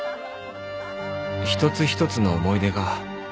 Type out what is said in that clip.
一つ一つの思い出が